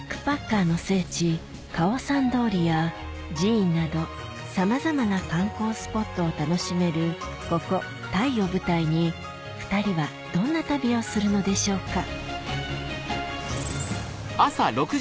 カオサン通りや寺院などさまざまな観光スポットを楽しめるここタイを舞台に２人はどんな旅をするのでしょうか？